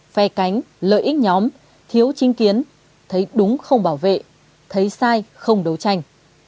phe cánh lợi ích nhóm thiếu trinh kiến thấy đúng không bảo vệ thấy sai không đấu tranh